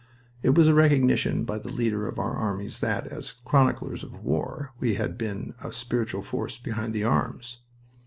It was a recognition by the leader of our armies that, as chroniclers of war, we had been a spiritual force behind his arms.